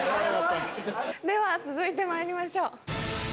では続いてまいりましょう。